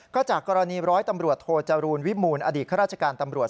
ก็จากกรณีร้อยตำรวจโทจรูลวิมูลอดีตข้าราชการตำรวจ